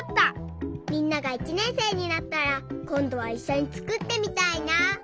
みんなが１ねんせいになったらこんどはいっしょにつくってみたいな。